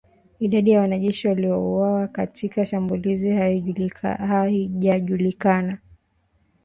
Idadi ya wanajeshi waliouawa katika shambulizi haijajulikana